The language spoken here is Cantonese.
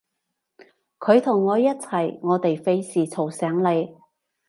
佢同我一齊，我哋費事嘈醒你